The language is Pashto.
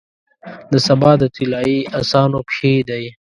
د سبا د طلایې اسانو پښې دی،